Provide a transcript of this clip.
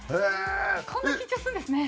こんな緊張するんですね。